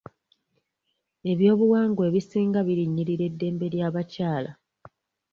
Eby'obuwangwa ebisinga birinnyirira eddembe ly'abakyala.